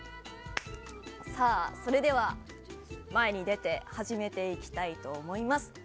それでは、前に出て始めていきたいと思います。